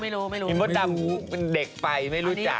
อิ่งโบสไทน์เป็นเด็กไปไม่รู้จัก